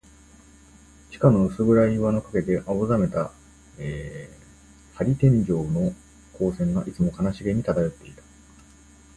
地下の薄暗い岩の影で、青ざめた玻璃天井の光線が、いつも悲しげに漂っていた。